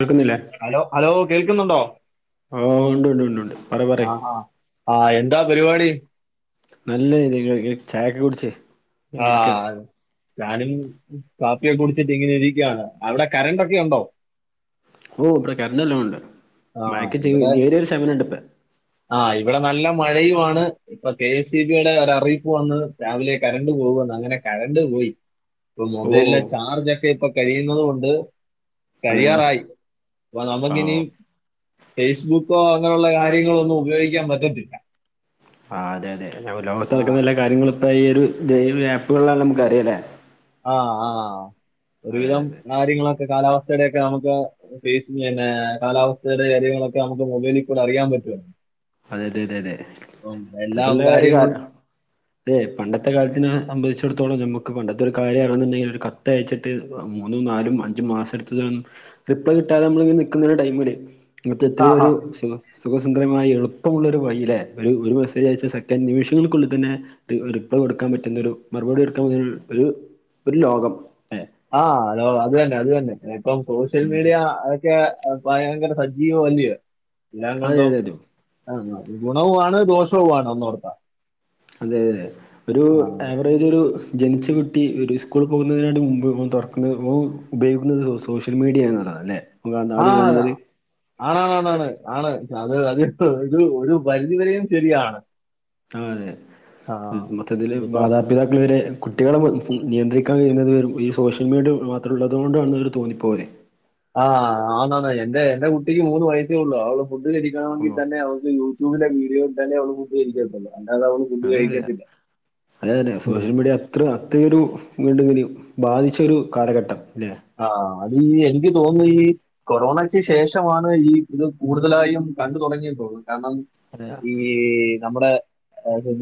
കേക്കുന്നില്ലേ. Hello hello കേൾക്കുന്നുണ്ടോ? ഓഹ് ഉണ്ട് ഉണ്ട് ഉണ്ട് ഉണ്ട് പറി പറി. ആഹ് എന്താ പരിപാടി. നല്ല ഇത് ചായൊക്കെ കുടിച്ച്. ആഹ് ആഹ് ഞാനും കാപ്പിയൊക്കെ കുടിച്ചിട്ട് ഇങ്ങനെ ഇരിക്കാണ്. അവിടെ കറണ്ടൊക്കെയുണ്ടോ.? ഓ ഇവിടെ കറണ്ട് എല്ലാം ഉണ്ട് മയക്ക് ചെ നേരിയൊരു ശമനടുപ്പേ. ആഹ് ഇവിടെ നല്ല മഴയുമാണ്. ഇപ്പൊ കെ എസ് സി ബിയുടെ ഒരു അറിയിപ്പ് വന്ന് രാവിലെ കരണ്ട് പോവുന്ന് അങ്ങനെ കരണ്ട് പോയി. ഇപ്പൊ മൊബൈലിലെ ചാർജൊക്കെ ഇപ്പൊ കഴിയുന്നത്കൊണ്ട്. കഴിയാറായി അപ്പൊ നമുക്കിനി. ഫേസ്ബുക്കോ അങ്ങനുള്ള കാര്യങ്ങളൊന്നും ഉപയോഗിക്കാൻ പറ്റത്തില്ല. ആഹ് അതെ അതെ ഞ ലോകത്ത് നടക്കുന്ന എല്ലാ കാര്യങ്ങളും ഇപ്പൊ ഈ ഒരു തെ ഈ ആപ്പുകളിലാണലോ നമുക്കറിയാം ല്ലേ. ആഹ് ആഹ് ഒരുവിധം കാര്യങ്ങളൊക്കെ കാലാവസ്ഥയുടൊക്കെ നമുക്ക്. പിന്നെ കാലാവസ്ഥയുടെ കാര്യങ്ങളൊക്കെ നമുക്ക് മൊബൈലിൽ കൂടെ അറിയാൻ പറ്റുവലോ. അതെ അതെ അതെ അതെ മൊത്തത്തിലുള്ള ഒരു കാരണം. അതേ പണ്ടത്തെ കാലത്തെന സംബന്ധിച്ചിടത്തോളം ഞമുക്ക് പണ്ടത്തെ ഒരു കാര്യാണെന്നിണ്ടെങ്കിൽ ഒരു കത്തയച്ച്. ട്ട് മൂന്നും നാലും അഞ്ചും മാസടുത്തലും റിപ്ലൈ കിട്ടാതെ അമളിങ്ങനെ നിക്കുന്ന ടൈമില്. ഇങ്ങനത്തെ എത്രയൊരു സു സുഖസുന്ദരമായി എളു പ്പളൊരു [unintelligible] വയിലെ ഒരു മെസേജ് അയച്ച്ച് സെക്കൻഡ് നിമിഷങ്ങൾക്കുള്ളിൽ തന്നെ. ട്ട് ഒരു റിപ്ലൈ കൊടുക്കാൻ പറ്റുന്ന ഒരു മറുപടി കൊടുക്കാൻ ഒരു ഒരു ലോകം. ആഹ് ഹലോ അതന്നെ അതന്നെ ഇപ്പം സോഷ്യൽ മീഡിയ ഒക്കെ ഭയങ്കര സജീവം അല്ല എല്ലാം കൊണ്ടും ആഹ് ഗുണവുവാണ് ദോഷവു ആണ് ഒന്നോർത്ത അതെതെ ഒരു ഏഹ് [unintelligible] ജനിച്ചു കെട്ടി ഒരു സ്കൂൾ പോകുന്നതിന മുമ്പ് ഓ തുറക്കുന്നത് ഓ ഉപയോഗിക്കുന്നത് സോഷ്യൽ മീഡിയ ന്ന് ള്ളയത അല്ലേ ആഹ് അതാ ആണാണ് ആണാണ് ആണ് അത് അത് ഒരു ഒരു പരിധി വരെയും ശരിയാണ് ആഹ് അതെ മൊത്തതില് [unintelligible] രക്ഷികാതാക്കൾ വരെ കുട്ടികളെ നിയന്ത്രിക്കാൻ ക ഴയുന്നത് വരും ഈ സോഷ്യൽ മീഡിയ മാത്രം ഉള്ളതുക കൊണ്ടാണെന്ന് അവർ തോന്നിപ്പോ പോവേ ആഹ് ആ എന്റെ കുട്ടിക്ക് മൂന്ന് വയസ്സേ ഉള്ളൂ അവള് ഫുഡ് കിഴിക്കണമെങ്കിൽ തന്നെ അവക്ക് യൂട്യൂബ് യൂട്യൂബിലെ വീഡിയോ തന്നെ ഫുഡ് [unintelligible] അതെ അതെ അതെ സോഷ്യൽ മീഡിയ ഇത്ര അത്രരു [unintelligible] ബാധിച്ചൊരു കാലഘട്ടം ല്ലേ ആഹ് അത് എനിക്ക് തോന്നുന്നു ഈ കൊറോണക്ക് ശേഷ മാണ് ഈ ഇത് കൂടുതലായും കണ്ട തുടങ്ങിയത് തോന്നുന്നു കാരണം ഈ ഈ നമ്മടെ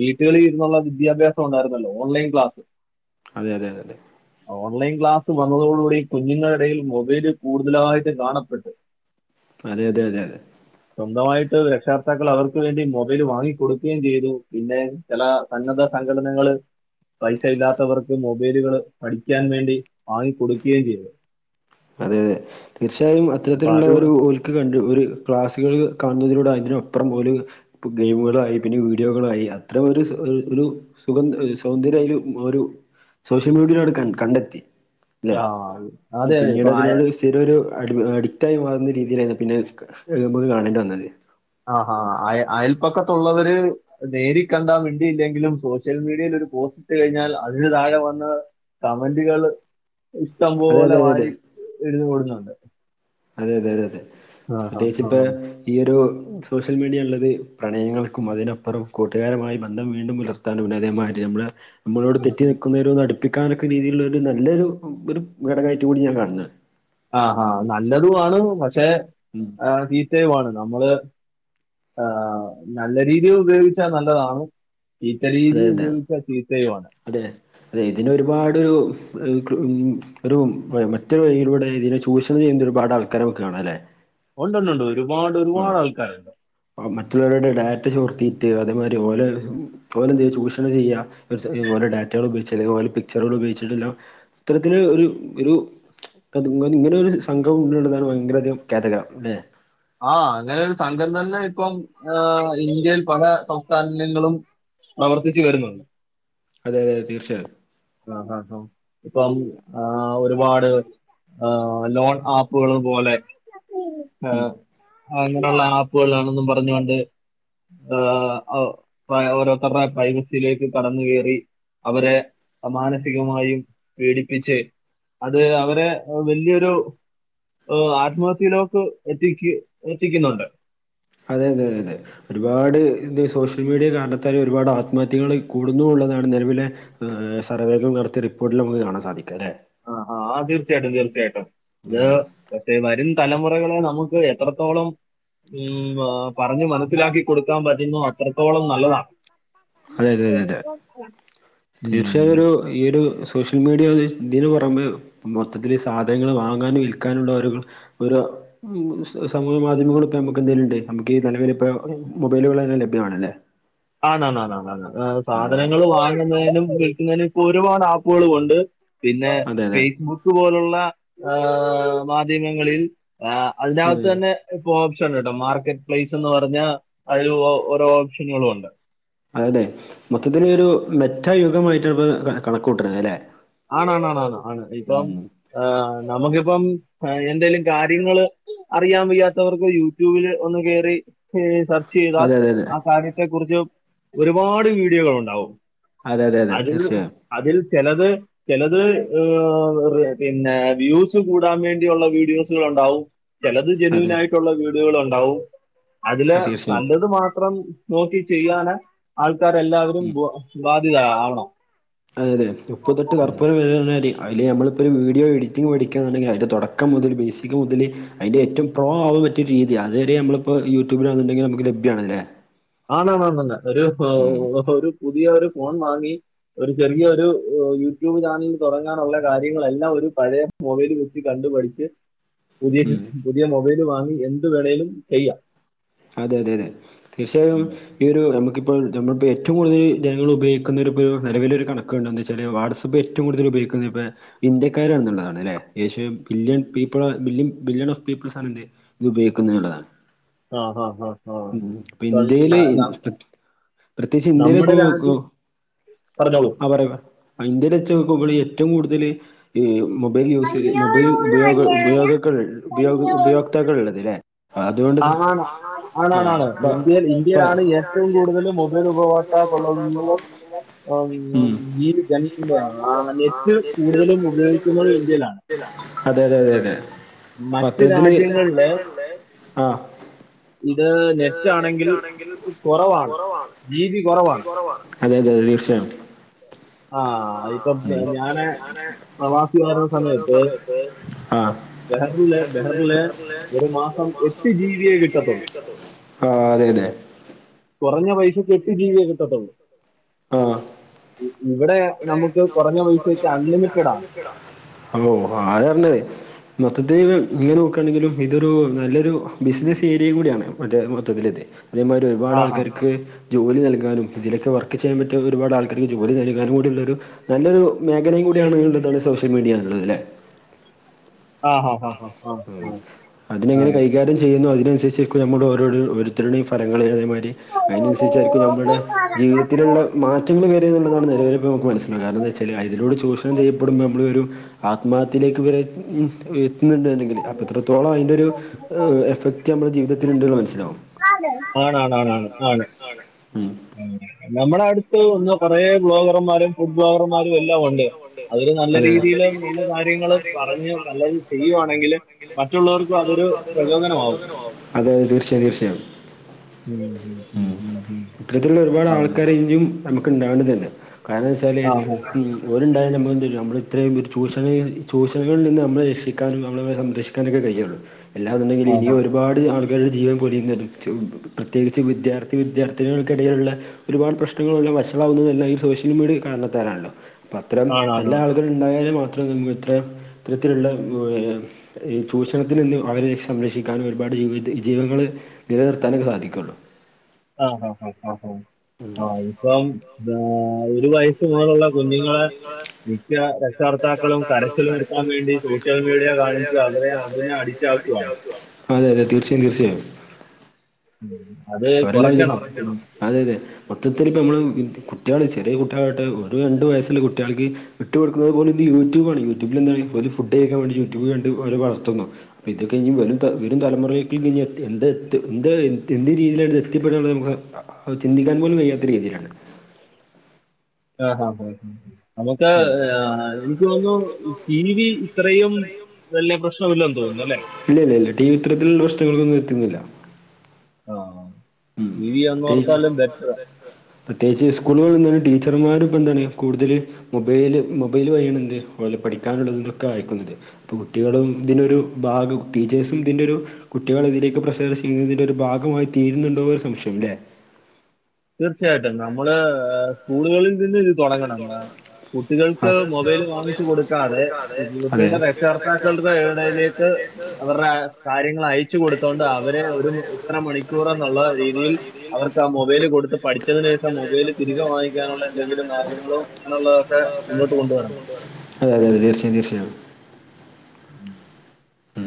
വീട്ടുകളിൽ ഇരുന്ന വിദ്യാഭ്യാസം ഉണ്ടായിരുന്നല്ലോ ഓൺലൈൻ ക്ലാസ്സ് അതെയത അതെ അതെ ഓൺലൈൻ ക്ലാസ് വന്നതോടു കൂടി കുഞ്ഞുങ്ങളുടെ ഇടയിൽ മൊബൈല് കൂടുതലായിട്ട് കാണപ്പെട്ട് അതെ അതെ അതെ അതെ സ്വന്തമായിട്ട് രക്ഷാർത്താക്കൾ അവർക്ക് വേണ്ടി മൊബൈല് വാങ്ങി കൊടുക്കുകയും ചെയ്തു പിന്നെ ചില സന്നദ്ധ സംഘടനകൾ പൈസ ഇല്ലാത്തവർക്ക് മൊബൈലുകള് പഠിക്കാൻ വേണ്ടി വാങ്ങി കൊടുക്കുകയും ചെയ്തു അതെ അതെ തീർച്ചയായും അത്തരത്തിലുള്ള ഒരു ഓല് കണ്ട് ഒരു ക്ലാസ്സികൾ കാണുന്നതിലൂടെ അതിനൊപ്പുറം പോലെ ഇപ്പ ഗെയിമുകളായി പിന്നെ വീഡിയോകളായി അത്ര ഒരു ഒരു സുഖം സൗന്ദര്യ അയ്ൽ ഒരു സോഷ്യൽ മീഡിയിലൂടെ കണ്ടെത്തി യാർ പിന്നീട് അതിനോട് സ്ഥിര ഒരു അഡിക്റ്റായി മാറുന്ന രീതിയിലായിരുന്നു പിന്നെ കാണേണ്ടി വന്നത് ആഹ് ആഹ് അയൽപ്പക്കത്തുള്ളവര് നേരി കണ്ടാ മിണ്ടിയില്ലെങ്കിലും സോഷ്യൽ മീഡിയയിൽ ഒരു പോസ്റ്റ് ഇട്ട കഴിഞ്ഞാൽ അതിന് താഴെ വന്ന് കമന്റുകള് ഇഷ്ടം പോലെ വാരി എഴുതുകൂടുന്നുണ്ട് അതെ അതെ അതെ അതെ പ്രത്യേകിച്ച് ഇപ്പ ഈ ഒരു സോഷ്യൽ മീഡിയ ഉള്ളത് പ്രണയങ്ങൾക്കും അതിനപ്പുറം കൂട്ടുകാരു മായി ബന്ധം വീണ്ടും പുലർത്തി [unintelligible] നമ്മള നമ്മളോട് തെറ്റി നിൽക്കുന്നവരോ അ ടുപ്പിക്കാനൊക്കെ രീതിയിലുള്ള ഒരു നല്ലൊരു ഘടകയിട്ട് കൂടി ഞാൻ കാണുന്ന ആഹ്ഹാ നല്ലതും ആണ് പക്ഷെ ആഹ് ചീത്തയുമാണ് നമ്മള് ആഹ് നല്ല രീതിൽ ഉപയോഗിച്ചാ നല്ലതാണ് ചീത്ത രീതി ഉപയോഗിച്ച ചീത്തയുമാണ് അതെ അതെ ഇതിന ഒരുപാട് ഒരു ഒരു മറ്റൊരു വഴിയിലൂടെ ഇതിനെ ചൂഷണം ചെയ്യുന്ന ഒരുപാട് ആൾ [unintelligible] കാണാം അല്ലേ ഉണ്ടൊണ്ടുണ്ട് ഒരുപാട് ഒരുപാട് ആൾക്കാരുണ്ട് മറ്റുള്ളവരുടെ ഡാറ്റ ചോർത്തിട്ട് അതേമാതിരി ഓലെ ഒലെ ന്തയ്യാ ചൂഷണം ചെയ്യ ഒലെ ഡാറ്റകൾ ഉപയോഗച്ച് ഒലെ പിക്ചറുകൾ ഉപയോഗിച്ചിട്ടല്ലാം ഇത്തരത്തിൽ ഒരു ഒരു ഇങ്ങനെ ഒരു സംഘം ഉണ്ടണ്ടതാണ് ഭയങ്കര അധികം ഖേതഗ്രം അല്ലെ ആഹ് അങ്ങനെ ഒരു സംഘം തന്നെ ഇപ്പം ഇന്ത്യയിൽ പല സംസ്ഥാനങ്ങളും പ്രവർത്തിച്ചു വരുന്നുണ്ട് അതെതെ തീർച്ചയായും ആഹഹാ ഇപ്പം ആ ഒരുപാട് ആഹ് ലോൺ ആപ്പുകള് പോലെ ഏഹ് ആ ഇങ്ങനെയുള്ള ആപ്പുകളാണെന്നും പറഞ്ഞു കൊണ്ട് ഹാ ഓരോത്തർറെ പ്രൈവസിയിലേക്ക് കടന്നു കയറി അവരെ മാനസികമായും പീഡിപ്പിച്ച് അത് അവരെ വല്യൊരു ആത്മഹത്യയിലോട്ട് എത്തിക്ക് എത്തിക്കുന്നുണ്ട് അതെ അതെത അതെ ഒരുപാട് എന്തയി സോഷ്യൽ മീഡിയ കാരണത്താലും ഒരുപാട് ആത്മഹത്യകള് കൂടുന്നൂള്ളതാണ് നെലവിലെ ഏഹ് സർവെകൾ നടത്തിയ റിപ്പോർട്ടിമ്മക്ക് കാണാൻ സാധിക്കുംല്ലെ ആഹാ ആ തീർച്ചയാട്ടും തീർച്ചയാട്ടും ഇത് [unintelligible] വരും തലമുറകളെ നമുക്ക് എത്രത്തോളം ഉം പറഞ്ഞ് മനസ്സിലാക്കി കൊടുക്കാൻ പറ്റുന്നൊ അത്രത്തോളം നല്ലതാണ് ഉം ഈ ഒരു സോഷ്യൽ മീഡിയ [unintelligible] ഇതിന് പുറമെ മൊത്തത്തില് സാധനങ്ങള് വാങ്ങാനും വിൽക്കാനുള്ള ഒരു ഒരു സമൂഹ മാധ്യമങ്ങള്പ്പ യമ്മക്ക് എന്തേലുംണ്ടെ നമ്മക്ക് ഈ നെലവിലിപ്പൊ മൊബൈലുകളന്നെ ലഭ്യമാണല്ലേ [unintelligible] സാധനങ്ങൾ വാങ്ങുന്നതിനും വിൽക്കുന്നതിനും ഇപ്പൊ ഒരുപാട് ആപ്പുകളും ഉണ്ട് പിന്നെ ഫേസ്ബുക്ക് പോലുള്ള ഏഹ് മാധ്യമങ്ങളിൽ ആഹ് അതിന്റെകത്ത് തന്നെ ഇപ്പൊ ഓപ്ഷൻ ഉണ്ട്ട്ടോ മാർക്കറ്റ് പ്ലൈസ് എന്ന് പറഞ്ഞാ അതില് ഓരോ ഓപ്ഷനുകളും ഉണ്ട് അതെ മൊത്തത്തിൽ ഒരു മെറ്റ യുഗമായിട്ട ഇപ്പോ കണക്കൂട്ട്ണത് അല്ലെ ആണാണാണാണ് ആണ് ഇപ്പം അഹ് നമുക്കിപ്പം ആ എന്തെലും കാര്യങ്ങള് അറിയാൻ വയ്യാത്തവർക്ക് യൂട്യൂബില് ഒന്ന് കേറി സെർച്ച് ചെയ്താൽ ആ കാര്യത്തെ കുറിച്ച് ഒരുപാട് വീഡിയോകളൊണ്ടാവും അതിൽ അതിൽ ചെലത് ചിലത് ഏഹ് പിന്നെ വ്യൂസ് കൂടാൻ വേണ്ടിയുള്ള വീഡിയോസുകൾ ഉണ്ടാവും ചിലത് ജെനുവിനായിട്ടുള്ള വീടുകൾ ഉണ്ടാവും അതില് നല്ലത് മാത്രം നോക്കി ചെയ്യാന് ആൾക്കാരെല്ലാവരും ബാധ്യതയാവണം അതെ അതെ ഉപ്പ് തൊട്ട് കർപ്പൂരം [unintelligible] അതിൽ നമ്മളിപ്പൊ ഒരു വീഡിയോ എഡിറ്റിംഗ് പഠിക്കാണെങ്കി അതിന്റെ തുടക്കം മുതൽ ബേസിക്ക് മുതൽ അയ്ന്റെ ഏറ്റവും പ്രോ ആവാ പറ്റിയ രീതി അതുവരെ അമ്മളിപ്പോ യൂട്യൂബിലാന്ന്ണ്ടെങ്കി അമ്മക്ക് ലഭ്യാണല്ലേ ആണാണ് ഒരു ഏഹ് ഒരു പുതിയ ഒരു ഫോൺ വാങ്ങി ഒരു ചെറിയ ഒരു യൂട്യൂബ് ചാനല് തൊടങ്ങാനുള്ള കാര്യങ്ങളെല്ലാം ഒരു പഴേ മൊബൈല് വെച്ച് കണ്ടു പഠിച്ച് പുതിയ പുതിയ മൊബൈല് വാങ്ങി എന്തു വേണേലും ചെയ്യാം അതെ അതെ അതെ തീർച്ചയായും ഈ ഒരു നമുക്കി ഇപ്പോൾ ജങ്ങളിപ്പോ ഏറ്റൊം കൂടുതല് ജനങ്ങള് ഉപയോഗിക്കുന്നൊരു ഇപ്പൊരു നെലവിലൊരു കണക്കുണ്ട് എന്താച്ചാല് വാട്സാ ഇപ്പൊ ഏറ്റൊം കൂടുതലുപോയ്ക്കുന്ന ഇന്ത്യക്കാരാണ്ന്നുള്ളതാണ് അല്ലെ Asia billion people billion billion of peoples ആണ് ഇത് ഉപയോഗിക്കുന്നുള്ളതാണ് ആഹാ ഹാ ഹാ ഉം ഇപ്പൊ ഇന്ത്യയില് പ്രത്യേകിച്ച് ഇന്ത്യയിലൊക്കെ [unintelligible] [unintelligible] നോക്കുമ്പള് ഏറ്റൊം കൂടുതല് ഈ മൊബൈൽ യൂസ് മൊബൈൽ ഉപയോഗ ഉപയോഗകൾ ഉപയോഗ ഉപയോക്താക്കള്ളത് ല്ലേ [unintelligible] ആണാണാണ് ഇന്ത്യയില് ഇന്ത്യയിലാണ് ഏറ്റവും കൂടുതൽ മൊബൈൽ ഉപഭോക്താക്കളുള്ളതും ഈ [unintelligible] ആ നെറ്റ് കൂടുതലും ഉപയോഗിക്കുന്നത് ഇന്ത്യയിലാണ് അതെ അതെ അതെ പത്രത്തില് [unintelligible] ആഹ് ഇത് നെറ്റാണെങ്കിൽ കുറവാണ് ജി ബി കുറവാണ് അതെതെതെ തീർച്ചയായും ആഹ് മ്മ് പ്പ് ഞാന് പ്രവാസിയാരുന്ന സമയത്ത് ആഹ് ബെഹ്റിലെ ബെഹ്റിലിലെ ഒരു മാസം എട്ട് ജീബിയെ കിട്ട ആഹ് അതെയതെ കുറഞ്ഞ പൈസക്ക് എട്ട് ജീബിയെ കിട്ടത്തുള്ളൂ. ഇവിടെ നമുക്ക് കുറഞ്ഞ പൈസക്ക് അൺലിമിറ്റഡ ഓ [unintelligible] [inaudible] മൊത്തത്തിൽ ഇങ്ങനെ നോക്കാണെങ്കിലും ഇതൊരൂ നല്ലൊരു ബിസിനസ്സ് ഏരിയ കൂടിയാണ് മറ്റേ മൊത്തത്തില്ത് അതേമാതിരി ഒരുപാട് ആൾക്കാർക്ക് ജോലി നൽകാനും, ഇതിലൊക്കെ വർക്ക് ചെയ്യാൻ പറ്റിയത് ഒരുപാട് ആൾക്കാർക്ക് ജോലി നൽകാനും നല്ലൊരു നല്ലൊരു മേഖലയും കൂടിയാണ് എന്ത്ത്താണ് സോഷ്യൽ മീഡിയന്നുള്ളത് ല്ലേ ആഹ് ആഹ് ആഹ് ആഹ് മ് അതിനെങ്ങനെ കൈകാര്യം ചെയ്യുന്നു അതിനനുസരിച്ച്ക്കും നമ്മൾ ഓരോര ഒരുത്തരുടെയും ഫലങ്ങള വരി. അയിനൻസര്ച്ചായിരിക്കും ഞമ്മടെ ജീവിതത്തില്ള്ള മാറ്റങ്ങൾ വരെന്ന് കാണ്ട് നിലനിൽപ്പ് നമുക്ക് മൻസിലാവും കാരണംന്താച്ചാ ചില അതിലോട് ചൂഷണം ചെയ്യപ്പടുമ്പോ നമ്മളൊരു ആത്മഹത്യയിലേക്ക് വരെ എത്ത്ന്ന്ണ്ട് അപ്പത്രത്തോളം അയ്ന്റൊരു എഫക്ട് നമ്മുടെ ജീവിതത്തിൽണ്ട്ന്ന് മൻസിലാവും അതെ ആണ് ആണാണ് ആണ്ആ ണ് മ്മ്ഹ് ഉം... നമ്മുടെ അടുത്ത് വന്ന് കൊറേ വ്ലോഗർമാര് ഫുഡ്വ്ലോകർമാരും എല്ലാം ഒണ്ട്. അവര് നല്ല രീതിൽ ഉള്ള കാര്യങ്ങൾ പറഞ്ഞ് നല്ലത് ചെയ്യുവാണെങ്കില് ണെങ്കില് മറ്റുള്ളോർക്കും അതൊരു പ്രചോദനാവും. അതതെ തീർച്ചയായും തീർച്ചയായും മ്മ്ഹ് മ്മ്ഹ് മ്മ്ഹ് മ്മ്ഹ് ഇത്തരത്തിലുള്ള ഒരുപാട് ആൾക്കാര് ന്യും നമുക്ക് ണ്ടാവേണ്ടതുണ്ട് കാരണം ന്തച്ചാല് ഓല്ണ്ടായ നമ്മളെന്തെയ്യും. നമ്മള്‌ത്രയും പേര് ചുഷണ ചൂഷണങ്ങളിൽ നിന്ന് നമ്മളെ രക്ഷിക്കാനും നമ്മളവരംക്ഷിക്കും കയ്യോള്ളൂ എല്ലാന്നുണ്ടെങ്കില് ഇനി ഒരുപാട് ആൾക്കാരുടെ ജീവൻ പൊലിയുന്നത് ച് പ് പ്രത്യേി ച്ച് വിദ്യാർത്ഥി വിദ്യാർത്ഥിനികൾക്കിടയില്ള്ള ഒരുപാട് പ്രശ്നങ്ങളല്ലാം വഷളാവുന്നതല്ലാം ഈ സോഷ്യൽ മീഡിയ കാരണത്താലാണല്ലോ, അപ്പൊ അത്തരം എല്ലാവരും ഇണ്ടായാല് മാത്ര [unintelligible] ഇത്തരത്തിലുള്ള ചൂഷണത്തിൽ നിന്ന് അവരെ സംരക്ഷിക്കാനും ഒരുപാട് ജീവങ്ങള് നിലനിർത്താനൊക്കെ സാധിക്കോള്ളൂ ആഹ് ആഹ് ആഹ് ആഹ് ഇപ്പം ഒരു വയ സു മുതലുള്ള കുഞ്ഞുങ്ങളെ മിക്ക രക്ഷകർത്താക്കളും കരച്ചിൽ നിർത്താൻ വേണ്ടി സോഷ്യൽ മീഡിയ കാണിച്ച് അവരെ അതിനഡിക്റ്റാക്കുവാ അതെ അതെ തീർച്ചയായും തീർച്ചയായും മ്മ്ഹ് അത് കൊറക്കണം അതെ അതെ മൊത്തത്തിലിപ്പോം മ്മള് കുട്യാള് ചെറിയ കുട്ട്യാളാകട്ടെ ഒരു രണ്ടു വയസ്സുള്ള കുട്യാൾക്ക് ഇട്ടുകൊടുക്കുന്നത് പോലുന്ന് യൂട്യൂബാണ്. യൂട്യൂബിൽ എന്തെ യ്യും ഓര് ഫുഡ് കയ്ക്കാൻ വേണ്ടി യൂട്യൂബ് കണ്ട് അവര് വളർത്തുന്നു അപ്പ ഇത് കയിഞ്ഞ് വരും വരും തലമുറ [unintelligible] രീതിയിലാണ് ഇത് എത്തിപ്പെടുകന്ന്ത് നമുക്ക് ത് അത് ചിന്തിക്കാൻ പോലും കഴിയാത്ത രീതിയിലാണ് ആഹ് ഹഹ് നമുക്ക് എനിക്ക് തോന്നു ടി വി ത്രയും വല്യപ്രശ്നന്നുല്ലന്ന് തോന്നുന്നു അല്ലെ ഇല്ല ഇല്ല ഇല്ല ടി വി ഇത്രത്തത്തിലുള്ള പ്രശ്നങ്ങൾക്കൊന്നും എത്തുന്നില്ല ആഹ് ആഹ് ടി വി ഒന്നോർത്താലും ബെറ്ററാ പ്രത്യേകിച്ച് ഈ സ്കൂളുകളിൽ ന്ന് ടീച്ചർമാർ ഇപ്പന്താണ് കൂടുതല് മൊബൈല് മൊബൈല് വഴിയാണ് എന്ത് ഓലെ പഠിക്കാനുള്ളത് ഒക്കെ അയക്കുന്നത് ഇപ്പോൾ കുട്ടികളും ഇതിനൊരു ഭാഗം ടീച്ചേഴ്സും ഇതിന്റൊരു കുട്ടികൾ ഇതിലേക്ക് [unintelligible] തിന്റെ ഒരു ഭാഗമായി തീരുന്നുണ്ടോ ഒരു സംശയം അല്ലേ തീർച്ചയായിട്ടും. നമ്മള് സ്കൂളുകളിൽ നിന്നിത് തുടങ്ങണം ന്നാ കുട്ടികൾക്ക് മൊബൈല് വാങ്ങിച്ചു കൊടുക്കാതെ. കുട്ടികളുടെ രക്ഷകർത്താക്കളുടെ കയ്യിലേക് അവരുടെ കാര്യങ്ങൾ അയച്ചു കൊടുത്തോണ്ട് അവരെ ഒരു ഇത്ര മണിക്കൂറന്നുള്ള രീതിയിൽ അവർക്ക് ആ മൊബൈല് കൊടുത്ത് പഠിച്ചതിനു ശേഷം മൊബൈല് തിരികെ വാങ്ങിക്കാനുള്ള എന്തെങ്കിലും മാർഗങ്ങളോ അങ്ങനൊള്ള അതെതെ അതെ തീർച്ചയായും തീർച്ചയായും [inaudible] ഉം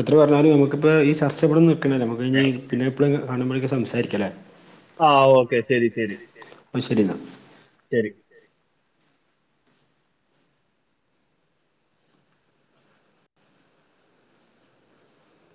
എത്ര പറഞ്ഞാലും നമുക്കിപ്പോ ഈ ചർച്ചവിടെ നിക്കണല്ല നമുക്ഞ്ഞി പിന്നെ എപ്പോഴും കാണുമ്പഴക്കേ സംസാരിക്കല ആഹ് ഓക്കെ ശെരി ശെരി പ്പ ശെരിന്നാ ശെരി